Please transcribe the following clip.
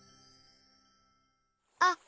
あっ！